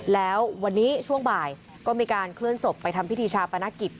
แล้ววันนี้ช่วงบ่ายก็มีการเคลื่อนศพไปทำพิธีชาปนกิจ